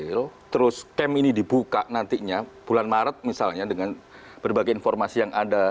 mereka tidak diambil terus kem ini dibuka nantinya bulan maret misalnya dengan berbagai informasi yang ada